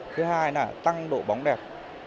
thứ hai là tăng độ bóng đẹp